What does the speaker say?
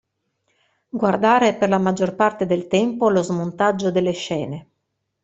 Guardare per la maggior parte del tempo lo smontaggio delle scene.